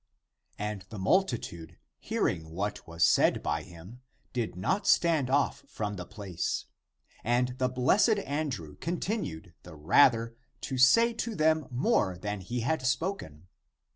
28) And the multitude, hearing what was said by him, did not stand off from the place, and the blessed Andrew continued the rather to say to them more than he had spoken.